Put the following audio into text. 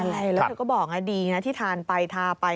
ใช่แล้วเธอก็บอกนะดีนะที่ทานไปทาไป